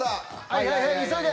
はいはいはい急いで。